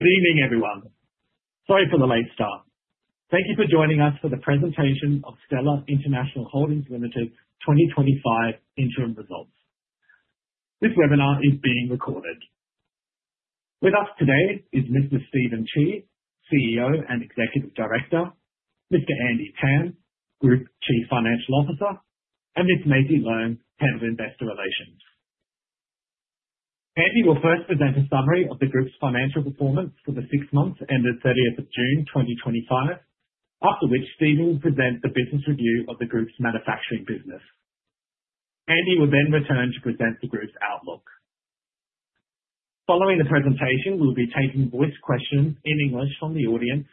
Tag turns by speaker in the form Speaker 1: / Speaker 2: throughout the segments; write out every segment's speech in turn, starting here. Speaker 1: Good evening, everyone. Sorry for the late start. Thank you for joining us for the presentation of Stella International Holdings Limited 2025 Interim Results. This webinar is being recorded. With us today is Mr. Stephen Chi, CEO and Executive Director, Mr. Andy Tam, Group Chief Financial Officer, and Ms. Maisie Leung, Head of Investor Relations. Andy will first present a summary of the group's financial performance for the six months ended June 30, 2025, after which Stephen will present a business review of the group's manufacturing business. Andy will then return to present the group's outlook. Following the presentation, we'll be taking voice questions in English from the audience.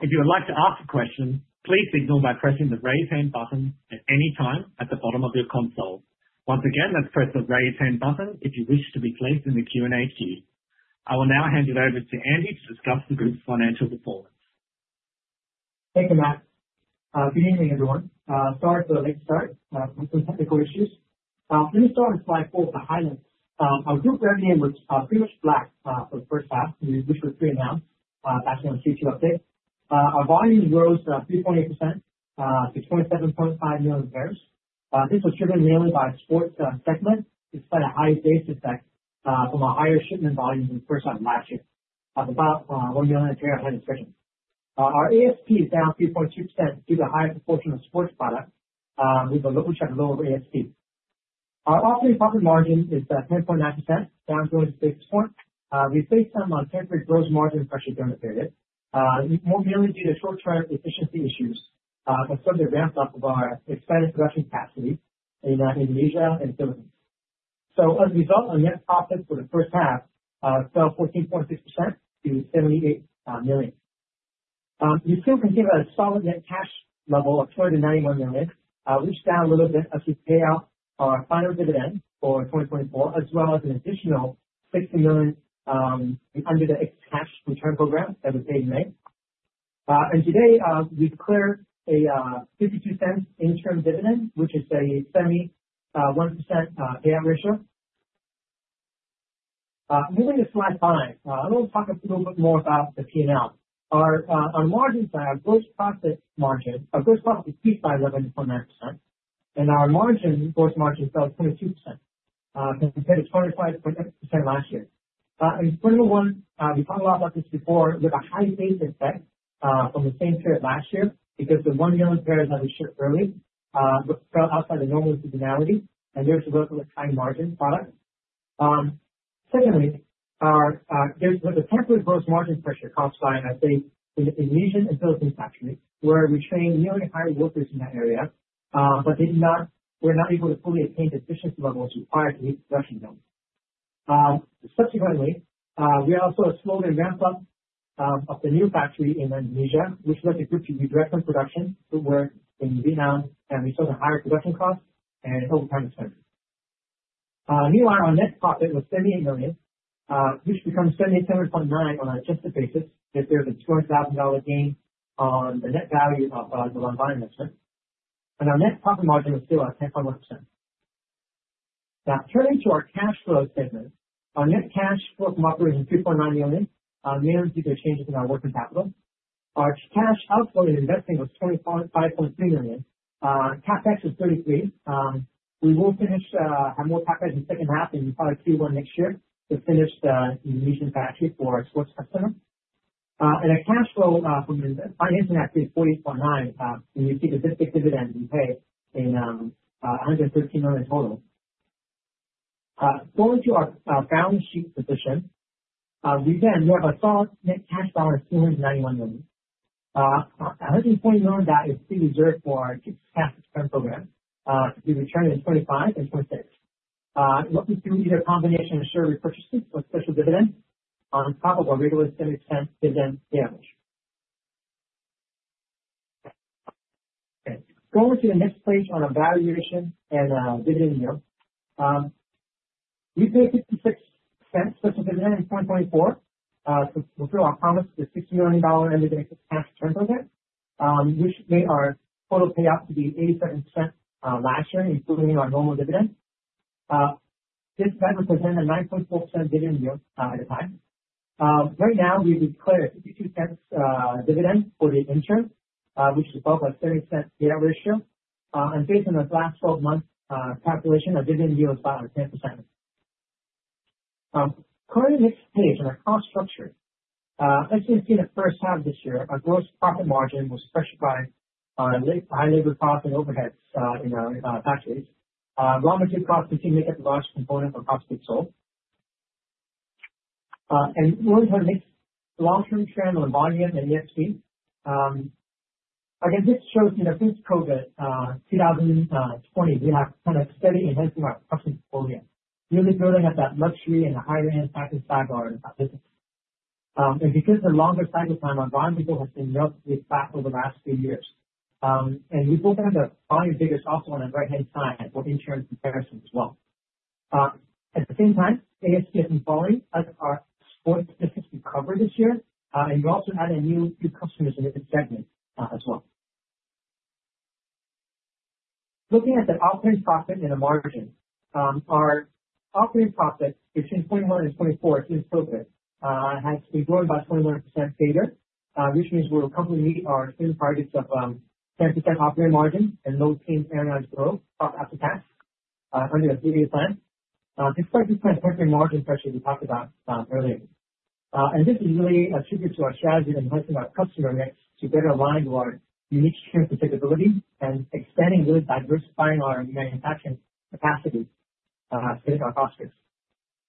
Speaker 1: If you would like to ask a question, please signal by pressing the raise hand button at any time at the bottom of your console. Once again, that's press the raise hand button if you wish to be placed in the Q&A queue. I will now hand it over to Andy to discuss the group's financial performance.
Speaker 2: Thank you, Matt. Good evening, everyone. Sorry for the late start. We've some technical issues. Please start slide four for the highlights. I'll just dive in with pretty much flat for the first half, which we'll see now. Back in our future update, our volume grows 3.8% to 27.5 million pairs. This was driven mainly by the sports segment, despite a high base effect from our higher shipment volume in the first half of last year. Of about, we're yielding a three-and-a-half times percent. Our ASP is down 3.2% due to a high proportion of sports products, with a low overhead ASP. Our operating profit margin is 10.9%, down close to fixed point. We faced some temporary gross margin pressure during the period, more merely due to short-term efficiency issues concerning the ramp-up of our expanded production capacity in Indonesia and Philippines. As a result, our net profit for the first half fell 14.6% to 78 million. You still can hear a solid net cash level of 291 million, which is down a little bit as we pay out our final dividend for 2024, as well as an additional 60 million under the Excess Cash Return Program that we paid in May. Today, we've declared a 0.52 interim dividend, which is a semi 1% A/M ratio. Moving to slide five, I want to talk a little bit more about the P&L. Our margins and our gross profit margin, our gross profit decreased by 11.9%. Our margins, gross margin fell 22% compared to 25.8% last year. Just a little one, we talked a lot about this before, we have a high base effect from the same period last year because the one million pairs that we shipped early fell outside the normal seasonality and therefore was a high margin product. Secondly, there's a temporary gross margin pressure caused by the Indonesian and Philippine factory, where we trained nearly higher workers in that area, but they did not, we're not able to fully attain the efficiency levels required for these production builds. Subsequently, we also slowed the ramp-up of the new factory in Indonesia, which led the group to redirect some production to work in Vietnam and resulted in higher production costs and overtime expenses. Meanwhile, our net profit was 78 million. This becomes 77.9% on an estimated basis if there's a 200,000 dollar gain on the net value of our bottom line investment. Our net profit margin is still at 10.1%. Now, turning to our cash flow statement, our net cash flow from operating is 3.9 million, merely due to changes in our working capital. Our cash outflow in investing was 25.3 million. CapEx was 33 million. We will finish at more CapEx in the second half and we'll probably see more next year to finish the Indonesian factory for our sports customer. Our cash flow from the financing activity is HKD 48.9 million, and you see the dedicated dividend we paid is 113 million in total. Going to our balance sheet position, we again have a solid net cash dollar of HKD 291 million. I'd like to point out that it's been reserved for our Excess Cash Return Program. The return is 2025 and 2026. What we do is accommodate any share repurchases or special dividends on top of our regular 7% dividend annually. Going to the next page on our valuation and our dividend yield. We paid 0.56 as a dividend in 2024. We'll draw our promise to HKD 60 million annual dividend expense returns on that. We initially made our total payout to be 87% last year, improving our normal dividend. This has represented a 9.4% dividend yield at the time. Right now, we declare HKD 0.52 as a dividend for the interim, which is above our 70% payout ratio. Based on the last 12 months' calculation, our dividend yield is about 10%. Coming to the next page on our cost structure, as you can see in the first half of this year, our gross profit margin was pressured by high labor costs and overheads in our factories. One or two costs particularly hit large components of our cost of goods sold. Moving to the next long-term trend on volume and ASP, again, this shows in the physical that in 2018, we had kind of a steady enhancement of our customer portfolio, really building up that luxury and the higher-end package type of business. Because of the longer cycle time, our volume has been relatively flat over the last few years. We've also had our volume figures also on the right-hand side, both insurance and services as well. At the same time, ASP has been falling as our sports business recovered this year, and we also added new customers in a new segment as well. Looking at the operating profit and the margin, our operating profit between 2021 and 2024 is still good. It has been growing about 21% savings, which means we'll probably meet our in-margin of 10% operating margin and maintain paradigm growth up after tax under a three-year plan. Despite declining operating margin, especially we talked about earlier. This is really attributed to our strategy of enhancing our customer revenue to better align to our unique strengths and capabilities and expanding, really diversifying our manufacturing capacity to fit our cost base.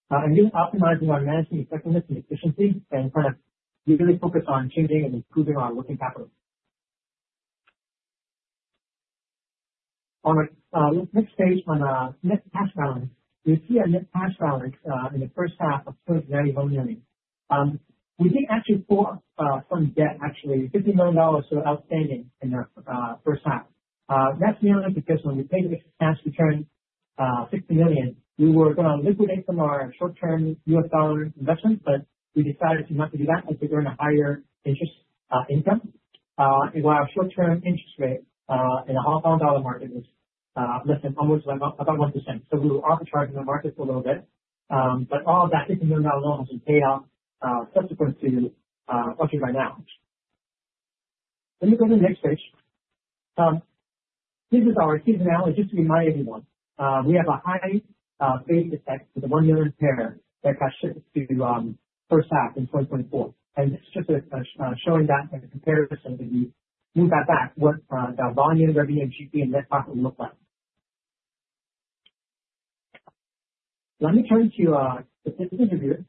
Speaker 2: We are really optimizing our management and technology efficiency, and kind of be really focused on changing and improving our working capital. On the next page on net cash balance, you see our net cash balance in the first half of HKD 291 million. We did actually pull up from debt, actually, 50 million dollars still outstanding in the first half. That's merely because when we paid the Excess Cash Return Program of 60 million, we were going to liquidate some of our short-term U.S. dollar investments, but we decided not to do that and figure on a higher interest income. While our short-term interest rate in the Hong Kong dollar market is less than almost above 1%, we were office-pricing the market for a little bit. All of that HKD 50 million loan has been paid off, 74% of the quarter right now. Looking at the next page, this is our seasonality. Just to remind everyone, we have a high base effect with the one million pair that got shipped to the first half in 2024. It's just showing that as a comparative system, if we look at that, what the volumes are being achieved and what net profit looks like. Let me turn to the presenter here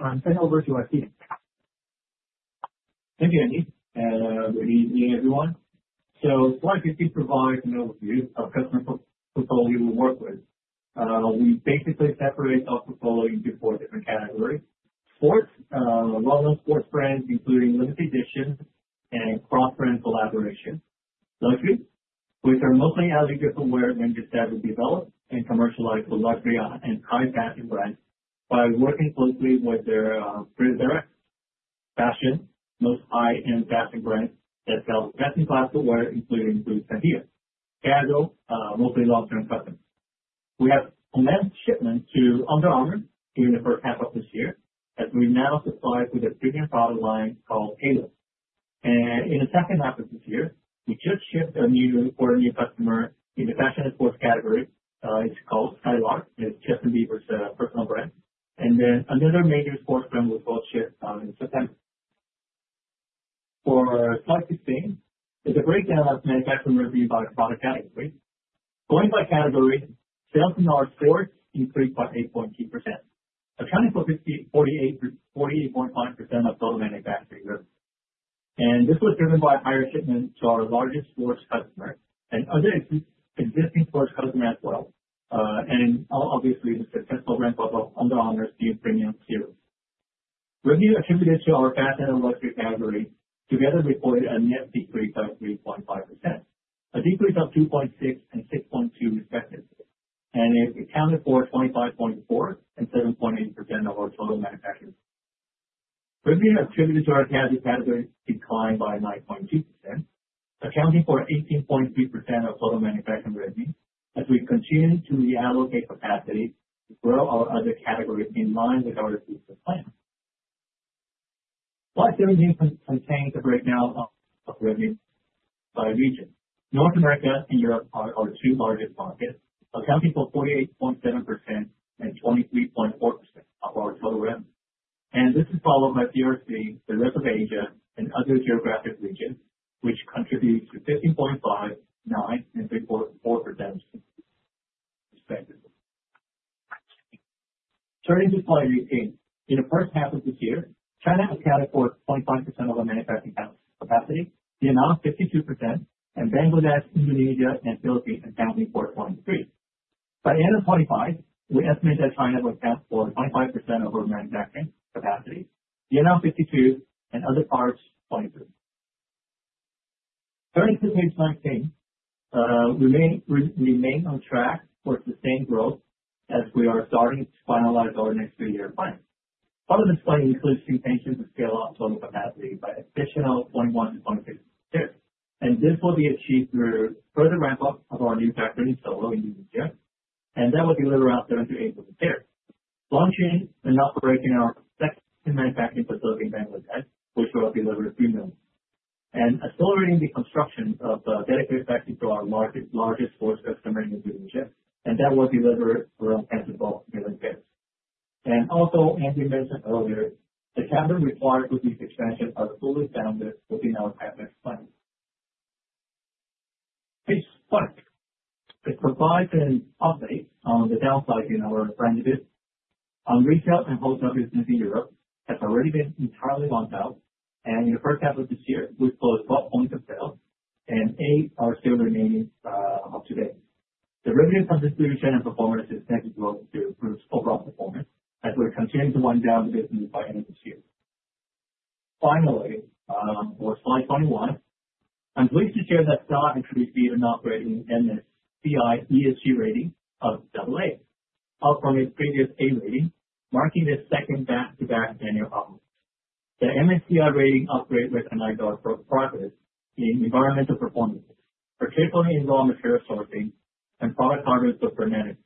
Speaker 2: and turn it over to our Stephen.
Speaker 3: Thank you, Andy. Good evening, everyone. The board of 50 provides an overview of our customer portfolio we work with. We basically separate our portfolio into four different categories: Sports, well-known sports brands, including limited edition and cross-brand collaboration; Luxury, which are mostly alligator footwear and the style to develop and commercialize the luxury and common fashion brands by working closely with their printed era; Fashion, most high-end fashion brands that sell fancy classic wear, including Louis Vuitton and Dior; Casual, mostly long-term customers. We have commenced shipment to Under Armour in the first half of this year, as we now supply with a bigger product line called Caleb. In the second half of this year, we just shipped a new quarterly customer in the fashion and sports category. It's called Skywalk. It's just a beaver's first-time brand. Another major sports brand we've both shipped in September. For our selective sales, it's a great chance to manufacture and review by product categories. Going by category, sales in our stores increased by 8.2%, accounting for 48.1% of total manufacturing revenue. This was driven by higher shipment to our largest sports customer and other existing sports customers as well. Obviously, the success program for both Under Armour and the New York Steels. Revenue attributed to our faster and lesser reliability together reported a near decrease of 3.5%, a decrease of 2.6% and 6.2% respectively, and it accounted for 25.4% and 7.8% of our total manufacturing. Revenue attributed to our academy category declined by 9.2%, accounting for 18.3% of total manufacturing revenue, as we continue to reallocate capacity to grow our other categories in line with our business plan. What revenue percentage breakdown of revenue by region? North America and Europe are the two largest markets, accounting for 48.7% and 23.4% of our total revenue. This is followed by PRC, the rest of Asia, and other geographic regions, which contribute to 50.9%. Turning to 2018. In the first half of this year, China accounted for 25% of our manufacturing capacity, the amount of 52%, and Bangladesh, Indonesia, and Philippines accounted for 23%. By the end of 2025, we estimate that China would account for 25% of our manufacturing capacity, the amount of 52%, and other parts 23%. Turning to the next slide page, we remain on track towards the same growth as we are starting to finalize our next three-year plan. Our next plan includes continuing to fill our total capacity by an additional 21%. This will be achieved through further ramp-up of our new factory in Seoul in the new year, and that will deliver us 73%. Launching and operating our second manufacturing facility in Bangladesh, which will deliver 3 million, and accelerating the construction of our dedicated factory to our largest sports customer in Indonesia, and that will deliver around 10%. Also, Andy mentioned earlier, the challenges required would be expensive. Page five. To provide an update on the downside in our revenue business, our retail and wholesale business in Europe has already been entirely wound down. In the first half of this year, we closed about 100 sales, and eight are still remaining up to date. The revenue from distribution and performance is set to grow to boost overall performance as we continue to wind down the business by the end of this year. Finally, on our slide 21, I'm pleased to share that Stella has received an upgrade in the MSCI ESG rating of AA, up from its previous A rating, marking the second best to that in the new album. The MSCI rating upgrade was an indicator for progress in environmental performance, shipment and raw material sourcing, and product harvest for branding.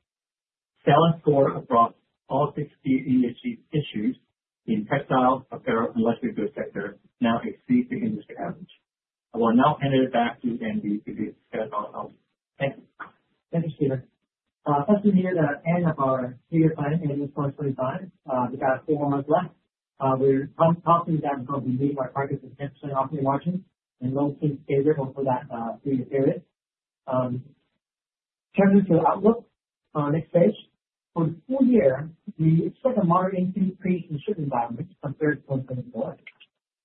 Speaker 3: Stella's score across all 16 industry issues in textile, apparel, and luxury goods has now exceeded the industry average. We'll now hand it back to Andy to discuss our update.
Speaker 2: Thank you, Stephen. As you know, that ends our previous item in the new 2025, we got a few more months left. The company is at probably a mid-market market with 10% operating margin and one team standard over that previous period. Turning to the outlook, on the next page, on the full year, we expect a moderate increase in shipment environments compared to the quarter.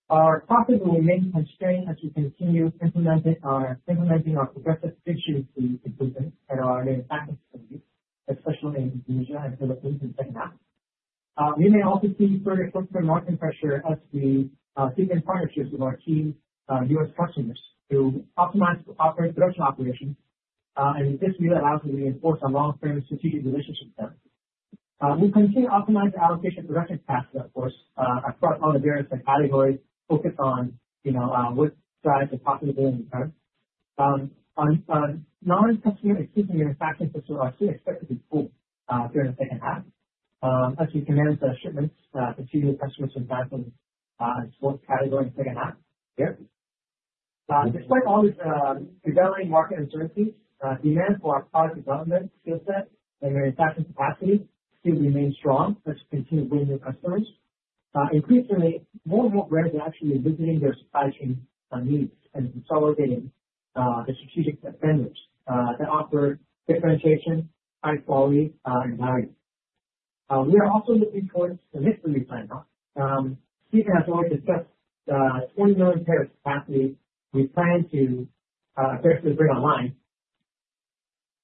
Speaker 2: Our profit will remain constrained as we continue implementing our protective issues in Sweden and our manufacturing facilities, especially in Indonesia, the Philippines, and Vietnam. We may also see further customer marketing pressure as we deepen partnerships with our key U.S. customers to optimize operating production operations. This really allows us to reinforce our long-term strategic relationship with them. We'll continue to optimize the allocation of production capacity, of course, across all the various categories focused on, you know, what size of profitability we have. Our non-customer excuse manufacturing facilities are still expected to boom during the second half as we commence our shipments to two-day customer supply from the sports category in the second half of the year. Despite all the developing market uncertainty, demand for our product development skill set and manufacturing capacity still remains strong as we continue to bring new customers. Increasingly, more and more brands are actually revisiting their supply chain needs and prioritizing the strategic expenses to offer differentiation, high quality, and value. We are also looking forward to the next release lineup. Stephen has already discussed the 40 million pair of capacity we plan to drive to bring online.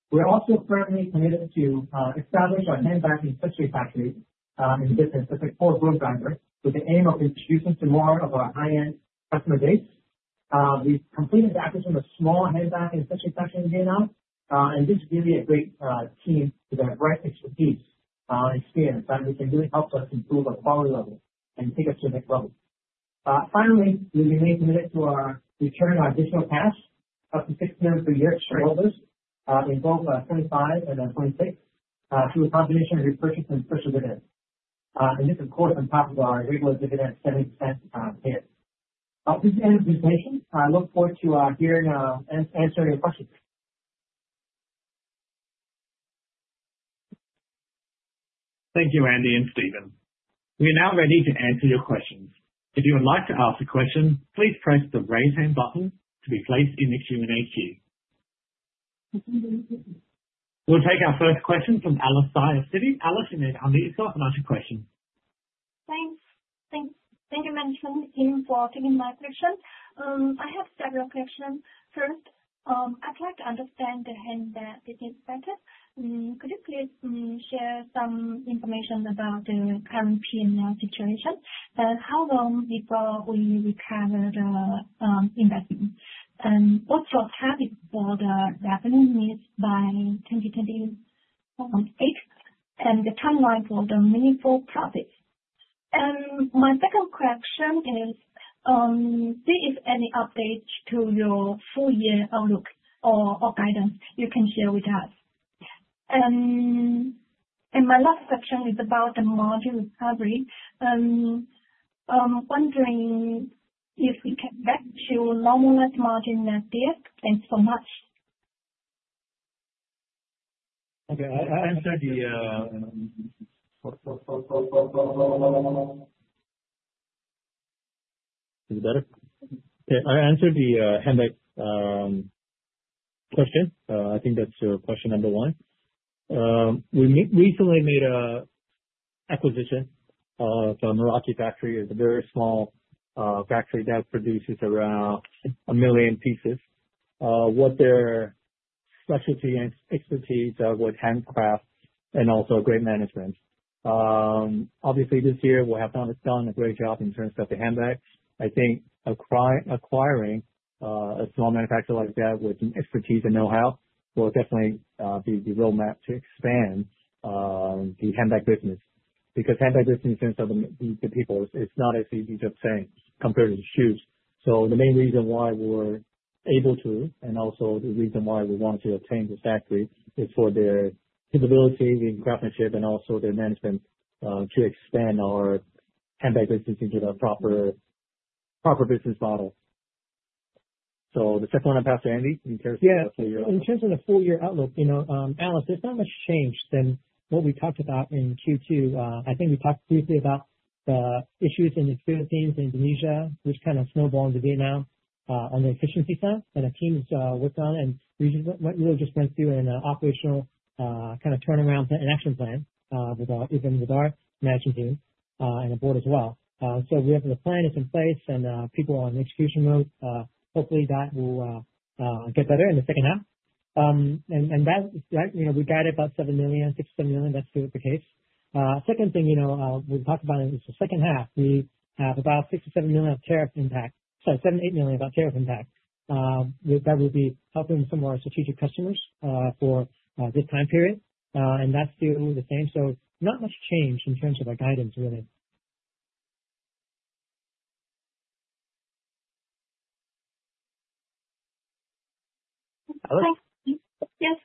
Speaker 2: We're also firmly committed to establish our handbag and accessory factory in the business as a core growth driver with the aim of introducing to more of our high-end customer base. We've completed the acquisition of a small handbag and accessory factory in Vietnam, and this will be a great change to the breadth of expertise and experience that we can really help us improve our quality level and take us to the next level. Finally, we remain committed to determine our additional cash up to 60 million per year to show all those. They involve about 2025 and 2026 through a combination of repurchase and special dividends. This is quoted on top of our regular dividend 7% pair. I'll give the end of the presentation. I look forward to hearing and answering your questions.
Speaker 1: Thank you, Andy and Stephen. We are now ready to answer your questions. If you would like to ask a question, please press the raise hand button to be placed in the Q&A queue. We'll take our first question from Alexia of Citi. Alexia, I'll let you start with asking questions. Thanks. Thank you, management, for giving my question. I have several questions. First, I'd like to understand the handbag business benefits. Could you please share some information about the current P&L situation? How long before we require investment? What's our target for the revenue needs by 2028? What is the timeline for the meaningful profits? My second question is if there is any update to your full-year outlook or guidance you can share with us. My last question is about the margin recovery. I'm wondering if we can get to a normalized margin next year. Thanks so much.
Speaker 3: Okay. I answered the handbag question. I think that's question number one. We recently made an acquisition of a Meraki factory. It's a very small factory that produces around a million pieces. What their specialty and expertise with handcraft and also great management. Obviously, this year, we have done a great job in terms of the handbags. I think acquiring a small manufacturer like that with the expertise and know-how will definitely be the roadmap to expand the handbag business. Because handbag business in terms of the people, it's not as easy to obtain compared to the shoes. The main reason why we're able to, and also the reason why we wanted to obtain the factory, is for their capability in craftsmanship and also their management to expand our handbag business into the proper business model. The second one I passed to Andy.
Speaker 2: Yeah. In terms of the full-year outlook, you know, Alex, there's not much change than what we talked about in Q2. I think we talked briefly about the issues in the experience teams in Indonesia, which kind of snowballed to Vietnam on the efficiency side. The team has worked on it, and we just went through an operational kind of turnaround action plan with our management team and the board as well. The plan is in place, and people are on the execution mode. Hopefully, that will get better in the second half. You know, we got about 7 million, 6-7 million. That's still the case. Second thing, you know, we talked about it in the second half. We have about 6-7 million of tariff impact. Sorry, 7-8 million of tariff impact. That will be helping some of our strategic customers for this time period. That's still the same. Not much change in terms of our guidance, really. Thanks. Yes,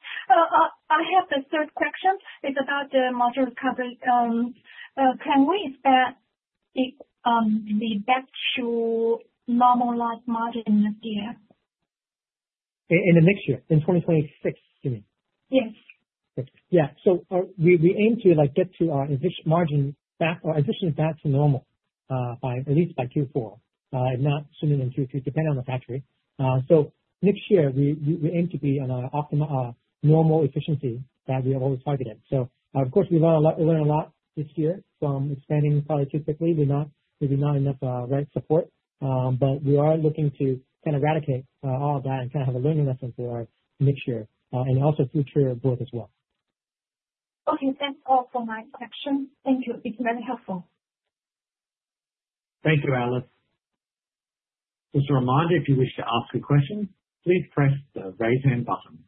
Speaker 2: I have the third question. It's about the margin recovery. Can we expect it to be back to normalized margin in the next year? In the next year, in 2026, you mean? Yes. Okay. Yeah. We aim to get our margin back or efficiency back to normal at least by Q4. I'm not assuming in Q3, depending on the factory. Next year, we aim to be on our optimal normal efficiency that we have always targeted. Of course, we learn a lot this year from expanding probably too quickly. We do not have enough right support, but we are looking to eradicate all of that and have a learning lesson for our next year and also future growth as well. Okay. That's all for my question. Thank you. It's very helpful.
Speaker 1: Thank you, Alex. Just a reminder, if you wish to ask a question, please press the raise hand button.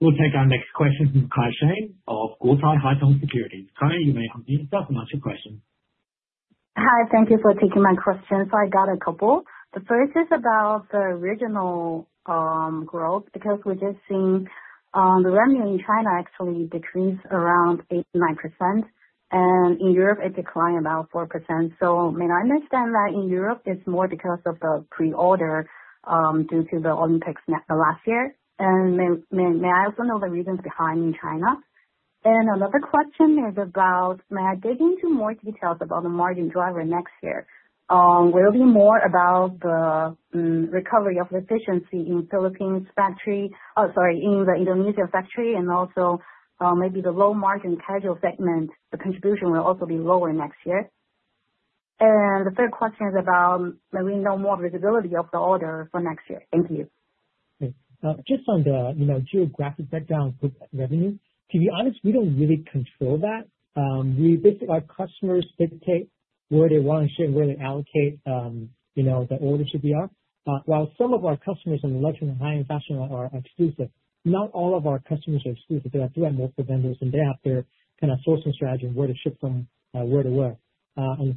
Speaker 1: We'll take our next question from Kai Sheng of Gultran High Tow Securities. Kai, you may continue to ask a bunch of questions.
Speaker 4: Hi. Thank you for taking my questions. I got a couple. The first is about the regional growth because we're just seeing the revenue in China actually decrease around 8%-9%. In Europe, it declined about 4%. May I understand that in Europe, it's more because of the pre-order due to the Olympics last year? May I also know the reasons behind in China? Another question is about, may I dig into more details about the margin driver next year? Will it be more about the recovery of efficiency in the Indonesian factory and also maybe the low margin casual segment, the contribution will also be lower next year? The third question is about, may we know more visibility of the order for next year? Thank you.
Speaker 2: Okay. Just on the geographic breakdown of revenue, to be honest, we don't really control that. Our customers dictate where they want to ship, where they allocate, you know, the order should be on. While some of our customers in luxury and high-end fashion are exclusive, not all of our customers are exclusive. They're like 300 different vendors, and they have their kind of sourcing strategy of where to ship from where to where.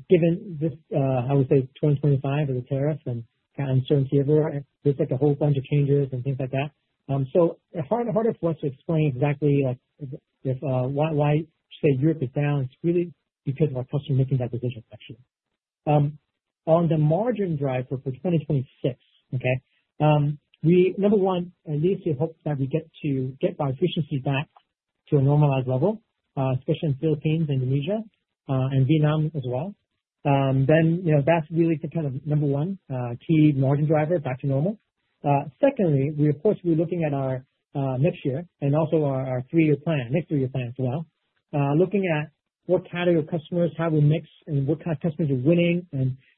Speaker 2: Given this, I would say, 2025 of the tariff and kind of uncertainty everywhere, there's like a whole bunch of changes and things like that. It's harder for us to explain exactly like if why say Europe is down. It's really because of our customer making that decision, actually. On the margin drive for 2026, number one, at least we hope that we get to get our efficiency back to a normalized level, especially in the Philippines, Indonesia, and Vietnam as well. That's really the kind of number one key margin driver back to normal. Secondly, we of course will be looking at our next year and also our three-year plan, next three-year plan as well, looking at what category of customers, how we mix, and what kind of customers are winning.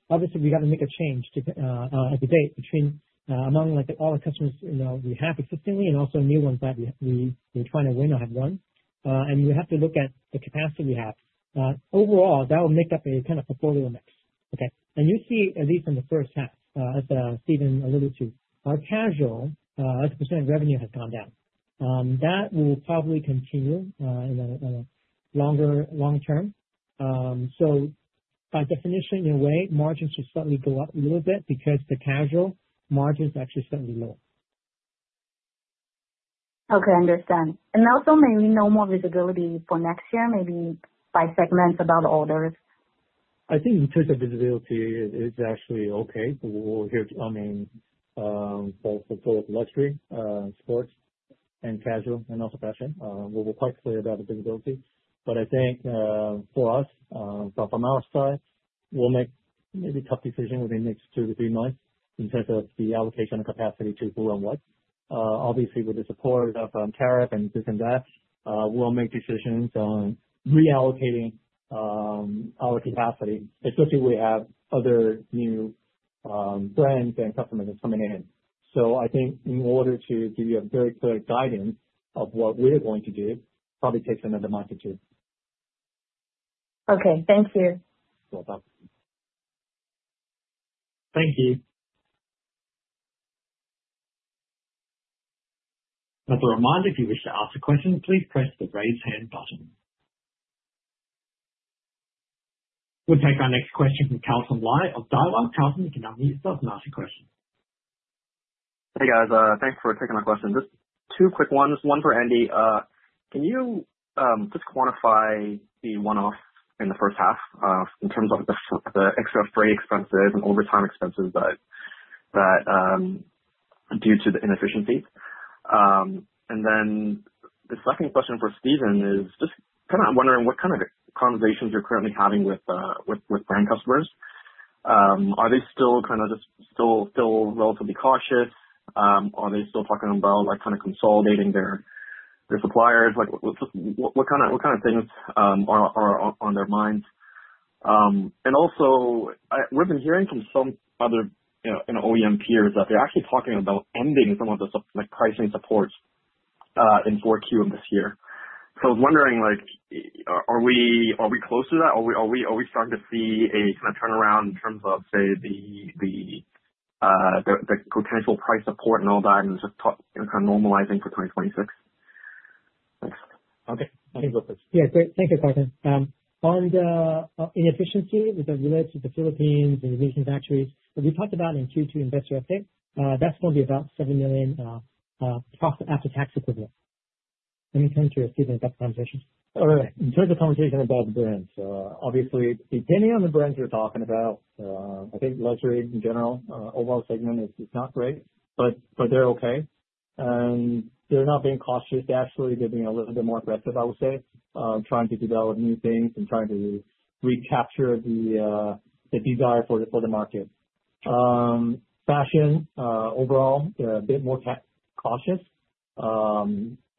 Speaker 2: Obviously, we got to make a change to a debate between among like all our customers, you know, we have existingly and also new ones that we're trying to win or have won. We have to look at the capacity we have. Overall, that will make up a kind of portfolio mix, okay? You see, at least from the first half, as Stephen Chi alluded to, our casual, the percent of revenue has gone down. That will probably continue in a longer long term. By definition, in a way, margins should slightly go up a little bit because the casual margins are actually slightly lower.
Speaker 4: Okay. I understand. Also, maybe no more visibility for next year, maybe by segments about the orders?
Speaker 3: I think in terms of visibility, it's actually okay. Here our main for luxury, sports, and casual, and also fashion, we'll be quite clear about the visibility. I think for us, from our side, we'll make maybe a tough decision within the next two to three months in terms of the allocation of capacity to who and what. Obviously, with the support of tariff and this and that, we'll make decisions on reallocating our capacity, especially if we have other new brands and customers coming in. I think in order to give you a very clear guidance of what we are going to do, probably takes another month or two.
Speaker 4: Okay, thank you.
Speaker 3: Thank you.
Speaker 1: If you wish to ask a question, please press the raise hand button. We'll take our next question from Calcin Lai of [Dialogue]. Calcin, if you can unmute yourself and ask a question. Hey, guys. Thanks for taking my question. Just two quick ones. One for Andy. Can you just quantify the one-off in the first half in terms of the extra freight expenses and overtime expenses that are due to the inefficiencies? The second question for Stephen is just kind of wondering what kind of conversations you're currently having with brand customers. Are they still kind of just relatively cautious? Are they still talking about consolidating their suppliers? What kind of things are on their minds? Also, we've been hearing from some other OEM peers that they're actually talking about ending some of the pricing supports in 4Q of this year. I was wondering, are we close to that? Are we starting to see a kind of turnaround in terms of, say, the potential price support and all that, and just talk kind of normalizing for 2026? Thanks.
Speaker 3: Okay, I can go first.
Speaker 2: Yeah. Great. Thank you, Calcin. On the inefficiency as it relates to the Philippines and Indonesian factories, we talked about in Q2 investor update. That's going to be about 7 million profit after tax equivalent. In terms of your feedback, that's conversations.
Speaker 3: In terms of conversation about the brands, obviously, depending on the brands you're talking about, I think luxury in general, overall segment is not great, but they're okay. They're not being cautious. They actually are being a little bit more aggressive, I would say, trying to develop new things and trying to recapture the desire for the market. Fashion, overall, they're a bit more cautious.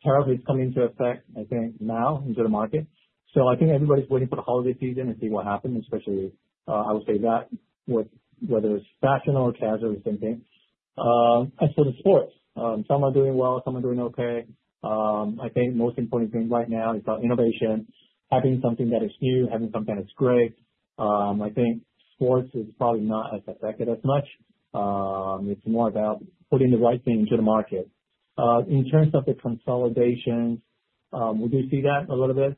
Speaker 3: Tariff is coming into effect, I think, now into the market. I think everybody's waiting for the holiday season and see what happens, especially, I would say, that with whether it's fashion or casual, the same thing. As for the sports, some are doing well. Some are doing okay. I think the most important thing right now is about innovation, having something that is new, having something that is great. I think sports is probably not as affected as much. It's more about putting the right thing into the market. In terms of the consolidation, we do see that a little bit.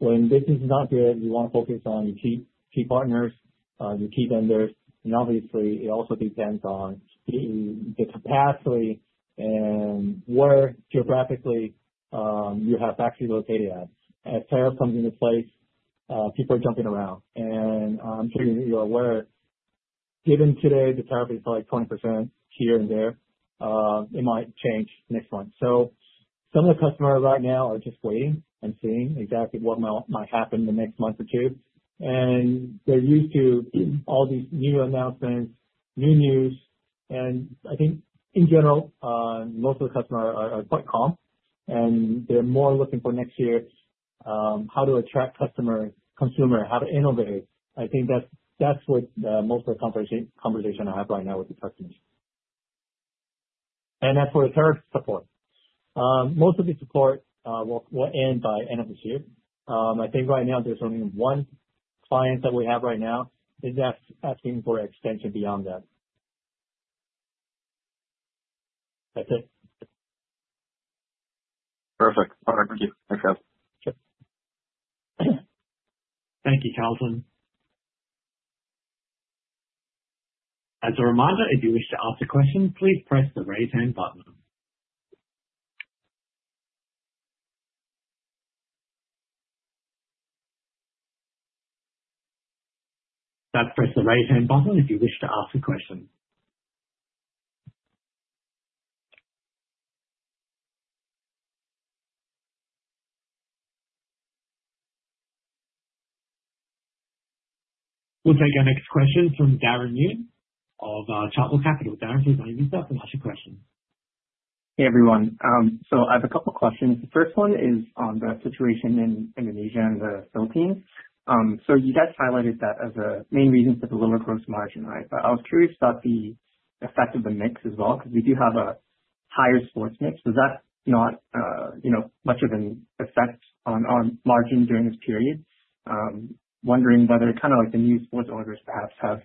Speaker 3: When business is not good, you want to focus on your key partners, your key vendors. It also depends on the capacity and where geographically you have factories located at. As tariff comes into place, people are jumping around. I'm sure you're aware, given today, the tariff is like 20% here and there. It might change next month. Some of the customers right now are just waiting and seeing exactly what might happen in the next month or two. They're used to all these new announcements, new news. I think in general, most of the customers are quite calm. They're more looking for next year, how to attract customers, consumers, how to innovate. I think that's what most of the conversation I have right now with the customers. As for the tariff support, most of the support will end by end of this year. Right now there's only one client that we have right now. They're just asking for an extension beyond that. That's it. Perfect. All right. Thank you. Thanks, guys. Sure.
Speaker 1: Thank you, Calcin. As a reminder, if you wish to ask a question, please press the raise hand button. That's press the raise hand button if you wish to ask a question. We'll take our next question from Darren Yoon of Chapel Capital. Darren, please unmute yourself and ask your question.
Speaker 5: Hey, everyone. I have a couple of questions. The first one is on the situation in Indonesia and the Philippines. You guys highlighted that as a main reason for the lower gross margin, right? I was curious about the effect of the mix as well because we do have a higher sports mix. Is that not, you know, much of an effect on margin during this period? I'm wondering whether kind of like the new sports orders perhaps have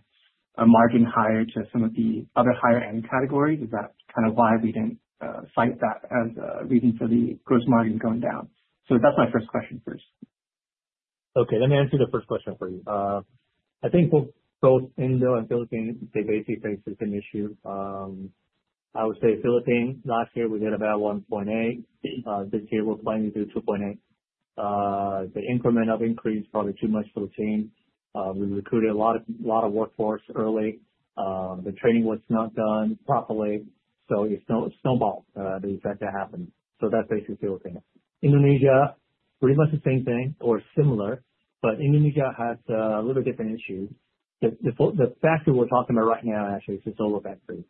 Speaker 5: a margin higher to some of the other higher-end categories. Is that kind of why we didn't cite that as a reason for the gross margin going down? That's my first question, please.
Speaker 3: Okay. Let me answer the first question for you. I think both in the Philippines, they basically said it's an issue. I would say Philippines last year, we did about 1.8 million. This year, we're planning to do 2.8 million. The increment of increase is probably too much to attain. We recruited a lot of workforce early. The training was not done properly. It snowballed the effect that happened. That's basically the only thing. Indonesia, pretty much the same thing or similar, but Indonesia had a little different issue. The factory we're talking about right now, actually, it's a solo factory.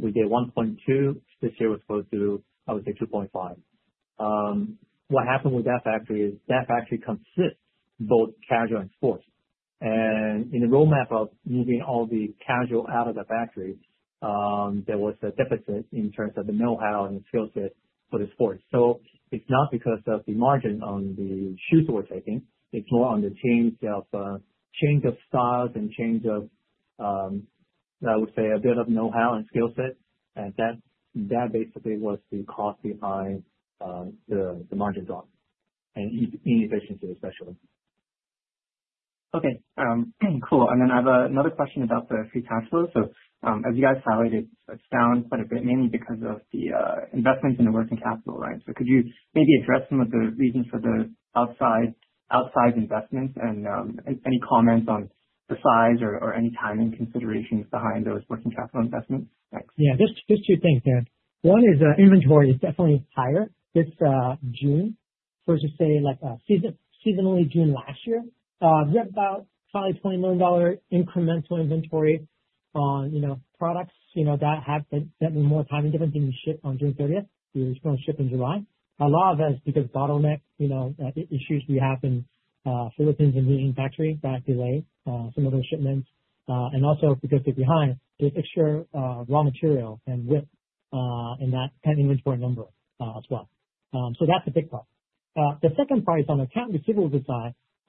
Speaker 3: We did 1.2 million. This year, it was supposed to, I would say, 2.5 million. What happened with that factory is that factory consists of both casual and sports. In the roadmap of moving all the casual out of the factory, there was a deficit in terms of the know-how and the skill set for the sports. It's not because of the margin on the shoes that we're taking. It's more on the change of styles and change of, I would say, a bit of know-how and skill set. That basically was the cost behind the margin drop and inefficiency, especially.
Speaker 5: Okay. Cool. I have another question about the free cash flow. As you guys highlighted, it's down quite a bit, mainly because of the investments in the working capital, right? Could you maybe address some of the reasons for the outside investments and any comments on the size or any timing considerations behind those working capital investments?
Speaker 2: Yeah. Just two things there. One is inventory is definitely higher. This is June. Just say like seasonally June last year, we had about probably 20 million dollar incremental inventory on, you know, products that had been spent more time in different things shipped on June 30th. We were supposed to ship in July. A lot of that is because of bottleneck issues we have in the Philippines and reinventory that delayed some of those shipments. Also, because they're behind, there's extra raw material and risk in that kind of inventory number as well. That's a big part. The second part is on the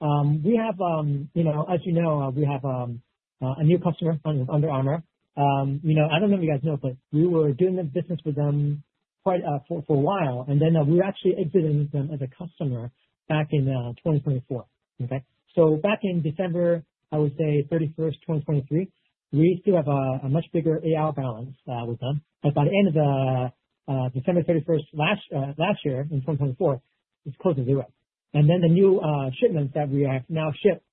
Speaker 2: accountability side. As you know, we have a new customer Under Armour. I don't know if you guys know, but we were doing the business with them quite for a while. We were actually exiting them as a customer back in 2024. Back in December 31, 2023, we still have a much bigger AR balance with them. By the end of December 31, 2024, it's close to zero. The new shipments that we have now shipped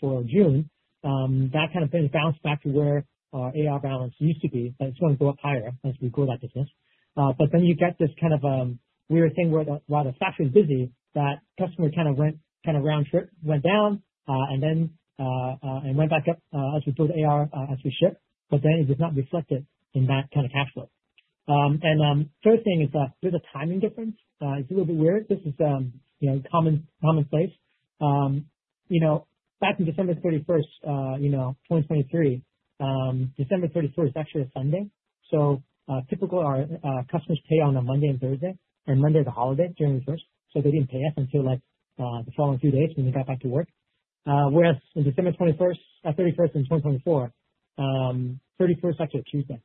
Speaker 2: for June, that kind of pays balance back to where our AR balance used to be. It's going to go up higher as we grow that business. You get this kind of weird thing where while the factory is busy, that customer kind of went kind of round trip, went down, and then went back up as we put AR as we shipped. It was not reflected in that kind of cash flow. The third thing is a bit of timing difference. It's a little bit weird. This is the commonplace. Back in December 31, 2023, December 31 is actually a Sunday. Typically, our customers pay on a Monday and Thursday, and Monday is a holiday during the 1st. They didn't pay us until like the following two days when we got back to work. Whereas in December 31, 2024, 31st is actually a Tuesday.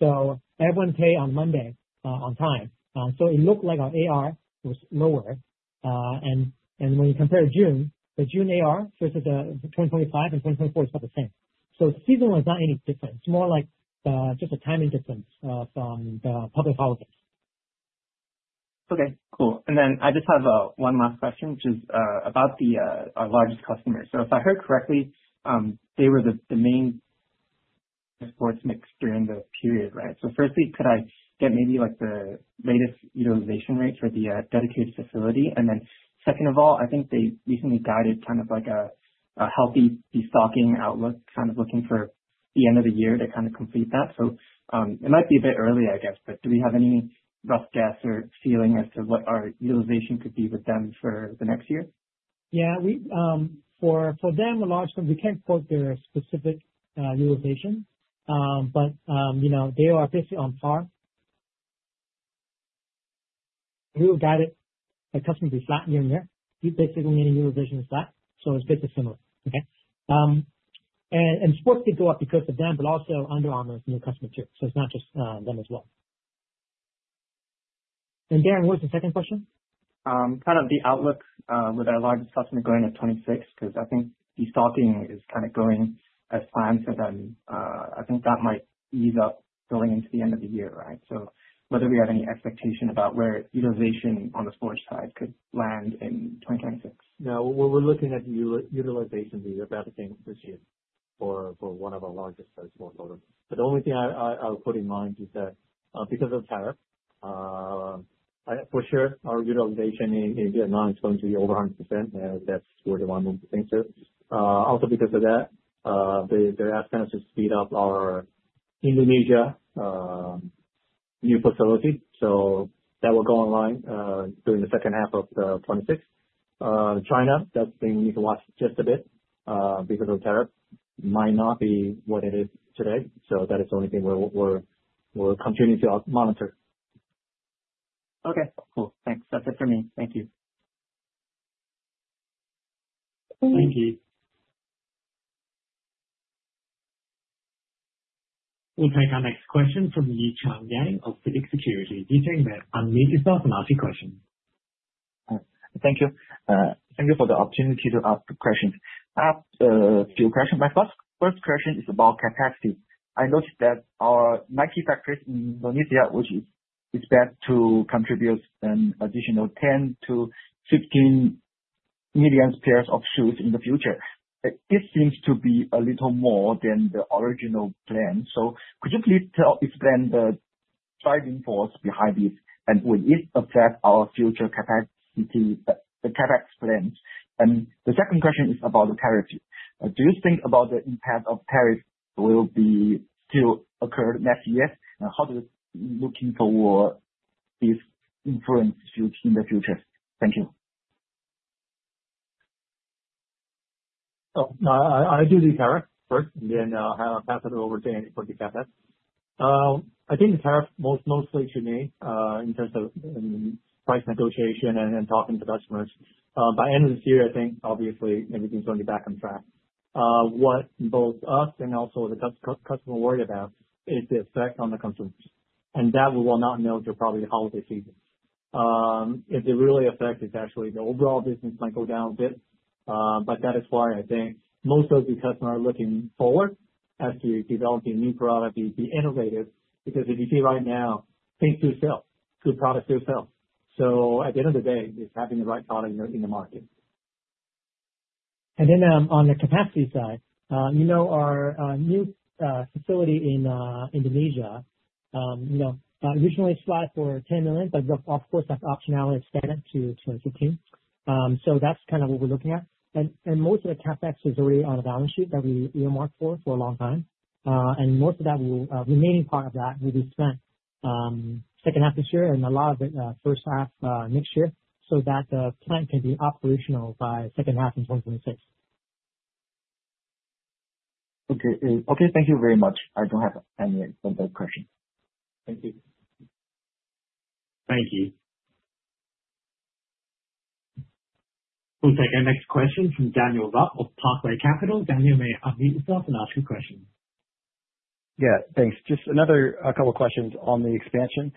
Speaker 2: Everyone paid on Monday on time. It looked like our AR was lower. When you compare June, the June AR versus the 2025 and 2024 is about the same. The seasonal is not any different. It's more like just a timing difference from the public holidays.
Speaker 5: Okay. Cool. I just have one last question, which is about our largest customer. If I heard correctly, they were the main sports mix during the period, right? Firstly, could I get maybe the latest utilization rate for the dedicated facility? Second of all, I think they recently guided kind of a healthy restocking outlook, looking for the end of the year to complete that. It might be a bit early, I guess, but do we have any rough guess or feeling as to what our utilization could be with them for the next year?
Speaker 2: Yeah. For them, a large customer, we can't quote their specific utilization, but, you know, they are basically on par. We will guide it. The customer will be flat year on year. We basically don't need any utilization flat. It's basically similar. Sports did go up because of them, but also Under Armour is a new customer too. It's not just them as well. Darren, what was the second question?
Speaker 5: Kind of the outlook with our largest customer going to 26 because I think restocking is kind of going as planned. I think that might ease up going into the end of the year, right? Whether we have any expectation about where utilization on the sports side could land in 2026.
Speaker 3: No, we're looking at the utilization being everything this year for one of our largest sports orders. The only thing I'll put in mind is that because of tariff, for sure, our utilization in Vietnam is going to be over 100%. That's the one thing too. Also, because of that, there are attempts to speed up our Indonesia new facility. That will go online during the second half of 2026. China, that's the thing you need to watch just a bit, because the tariff might not be what it is today. That is the only thing we're continuing to monitor.
Speaker 5: Okay. Cool. Thanks. That's it for me. Thank you.
Speaker 1: Thank you. We'll take our next question from Yi Chang Yang of Phoenix Securities. Yi Chang, you may unmute yourself and ask your question.
Speaker 6: Thank you. Thank you for the opportunity to ask the questions. I have a few questions. My first question is about capacity. I noticed that our Nike factories in Indonesia, which is expected to contribute an additional 10 to 15 million pairs of shoes in the future. This seems to be a little more than the original plan. Could you please tell us, explain the driving force behind this, and will it affect our future capacity plan? The second question is about the tariff. Do you think the impact of tariff will still occur next year? How does looking forward this influence in the future? Thank you.
Speaker 3: Oh, no, I'll do the tariff first and then I'll pass it over to Andy for the case study. I think the tariff mostly to me in terms of price negotiation and talking to customers. By the end of this year, I think obviously everything's going to be back on track. What both us and also the customer worry about is the effect on the customers. We will not know until probably the holiday season. If it really affects it, actually, the overall business might go down a bit. That is why I think most of the customers are looking forward as to developing new products to be innovative because if you see right now, things do sell. Good products do sell. At the end of the day, it's having the right product in the market.
Speaker 2: On the capacity side, our new facility in Indonesia, originally it's flat for 10 million, but of course, that's optionality expanded to 15. That's kind of what we're looking at. Most of the CapEx is already on the balance sheet that we earmarked for a long time. Most of that, the remaining part of that, will be spent second half this year and a lot of it first half next year so that the plant can be operational by the second half in 2026.
Speaker 6: Okay. Thank you very much. I don't have any other questions.
Speaker 2: Thank you.
Speaker 1: Thank you. We'll take our next question from Daniel Roth of Parkway Capital. Daniel, you may unmute yourself and ask your question.
Speaker 7: Yeah, thanks. Just another couple of questions on the expansion.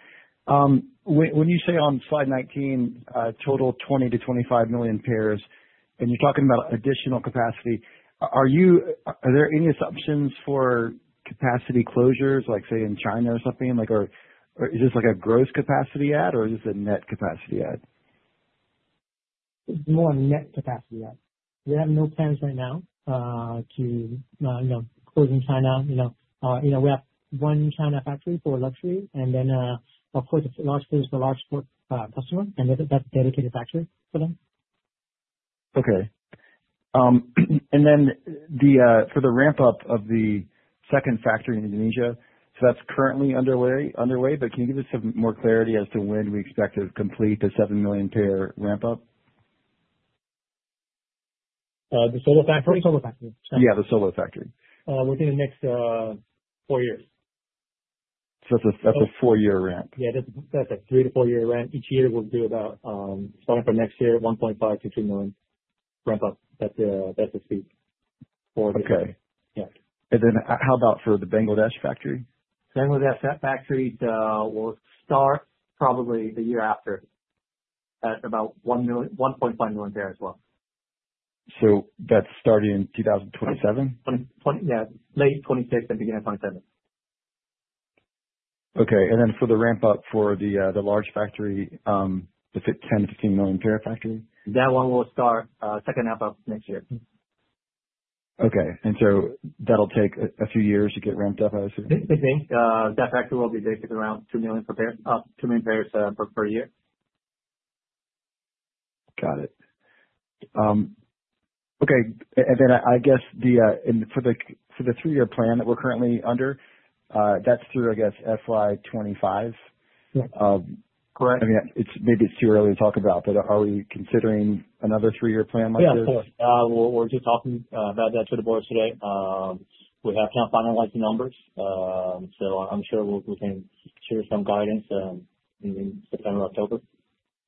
Speaker 7: When you say on slide 19, total 20 million-25 million pairs, and you're talking about additional capacity, are there any assumptions for capacity closures, like say in China or something? Is this a gross capacity add or is this a net capacity add?
Speaker 2: We want a net capacity add. We have no plans right now to close in China. We have one China factory for luxury, and then, of course, it's a large place for large sports customers, and that's a dedicated factory for them.
Speaker 7: Okay. For the ramp-up of the second factory in Indonesia, that's currently underway, but can you give us some more clarity as to when we expect to complete the 7 million pair ramp-up?
Speaker 2: The Stella factory?
Speaker 7: Yeah, the Stella factory.
Speaker 2: Within the next four years.
Speaker 7: That's a four-year ramp.
Speaker 2: Yeah, that's a three to four-year ramp. Each year, we'll do about, starting for next year, 1.5-3 million ramp-up. That's the speed for the.
Speaker 7: Okay. How about for the Bangladesh factory?
Speaker 2: Bangladesh factory will start probably the year after at about 1.5 million pairs as well.
Speaker 7: That's starting in 2027?
Speaker 2: Yeah, late 2026 and beginning of 2027.
Speaker 7: Okay. For the ramp-up for the large factory, is it a 10 million-15 million pair factory?
Speaker 2: That one will start second ramp-up next year.
Speaker 7: Okay. That'll take a few years to get ramped up, I assume?
Speaker 2: I think that factory will be basically around 2 million pairs per year.
Speaker 7: Got it. Okay. For the three-year plan that we're currently under, that's through, I guess, FY 2025.
Speaker 2: Yes. Correct.
Speaker 7: I mean, maybe it's too early to talk about, but are we considering another three-year plan like this?
Speaker 2: Yeah, of course. We're just talking about that to the board today. We have kind of finalized the numbers. I'm sure we can share some guidance in September, October.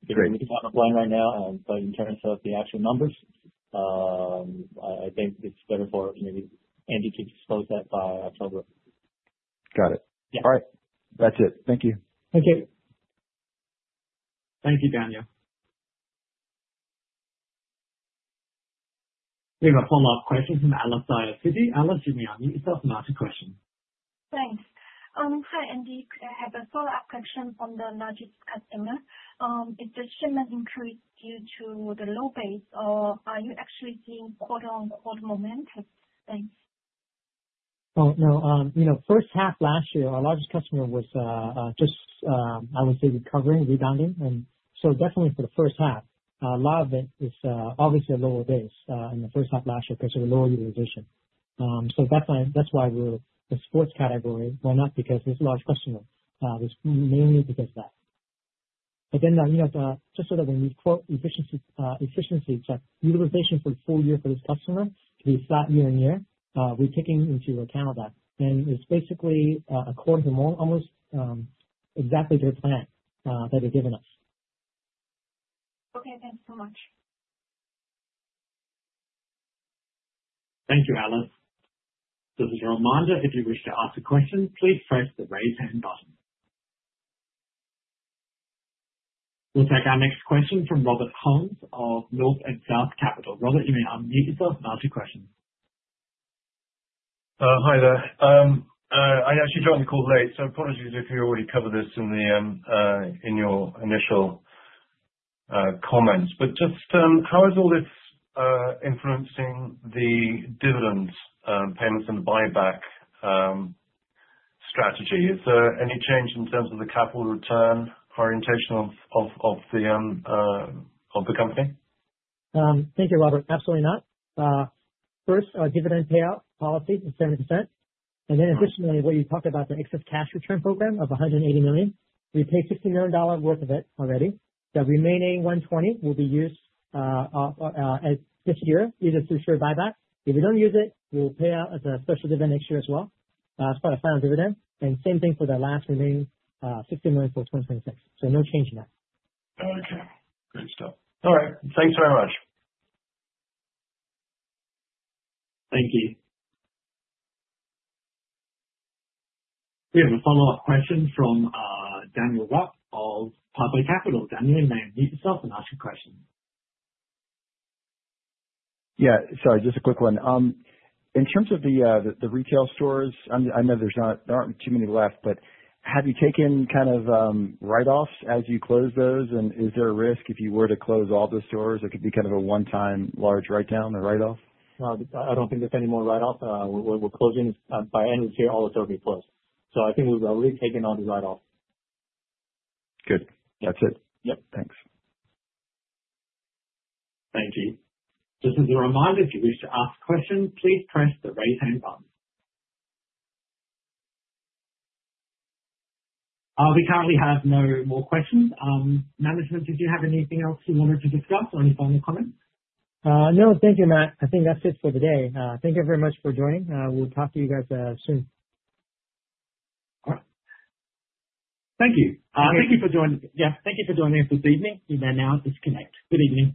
Speaker 2: We're making a final plan right now, but in terms of the actual numbers, I think it's better for maybe Andy Tam to expose that by October.
Speaker 7: Got it. Yeah.
Speaker 2: All right.
Speaker 7: That's it. Thank you.
Speaker 2: Thank you.
Speaker 1: Thank you, Daniel. We have a follow-up question from Alexia Citi. Alexia, you may unmute yourself and ask your question. Thanks. I'm sorry, Andy. I have a follow-up question from the largest customer. Is the shipment increase due to the low base? Are you actually seeing quarter-on-quarter momentum? Thanks.
Speaker 2: First half last year, our largest customer was just, I would say, recovering, rebounding. Definitely for the first half, a lot of it is obviously a lower base in the first half last year because of the lower utilization. That is why we're in the sports category. It's not because it's a large customer. It's mainly because of that. Just so that when we quote efficiencies, that utilization for the full year for this customer, we flat year on year, we're taking into account of that. It's basically according to almost exactly their plan that they've given us. Okay, thanks so much.
Speaker 1: Thank you, Alex. This is your reminder. If you wish to ask a question, please press the raise hand button. We'll take our next question from Robert Holmes of North of South Capital. Robert, you may unmute yourself and ask your question.
Speaker 8: Hi there. I actually joined the call late, so apologies if you already covered this in your initial comments. How is all this influencing the dividend payments and buyback strategy? Is there any change in terms of the capital return orientation of the company?
Speaker 2: Thank you, Robert. Absolutely not. First, our dividend payout policy is 70%. Additionally, when you talk about the Excess Cash Return Program of 180 million, we paid 60 million dollar worth of it already. The remaining 120 million will be used this year either through share buyback. If we don't use it, we will pay out as a special dividend next year as well. It's called a final dividend. The same thing for the last remaining 60 million for 2026. No change in that.
Speaker 8: Okay. Great stuff. All right. Thanks very much.
Speaker 1: Thank you. We have a follow-up question from Daniel Roth of Parkway Capital. Daniel, you may unmute yourself and ask your question.
Speaker 7: Yeah, sorry, just a quick one. In terms of the retail stores, I know there aren't too many left, but have you taken kind of write-offs as you close those? Is there a risk if you were to close all the stores? It could be kind of a one-time large write-down or write-off.
Speaker 3: No, I don't think there's any more write-off. We're closing by the end of this year, all the stores will be closed. I think we've already taken all these write-offs.
Speaker 7: Good. That's it.
Speaker 3: Yep.
Speaker 7: Thanks.
Speaker 1: Thank you. This is a reminder. If you wish to ask questions, please press the raise hand button. We currently have no more questions. Management, did you have anything else you wanted to discuss or any final comments?
Speaker 3: No, thank you, Matt. I think that's it for today. Thank you very much for joining. We'll talk to you guys soon.
Speaker 1: Thank you. Thank you for joining. Thank you for joining us this evening. You may now disconnect. Good evening.